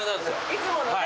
いつものね。